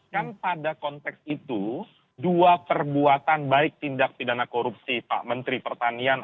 kan pada konteks itu dua perbuatan baik tindak pidana korupsi pak menteri pertanian